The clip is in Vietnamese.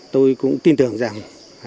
tôi cũng tin tưởng rằng